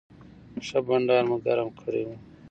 ښه بنډار مو ګرم کړی و.